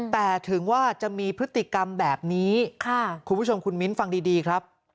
แต่ถึงว่าจะมีพฤติกรรมแบบนี้คุณผู้ชมคุณมิ้นฟังดีครับ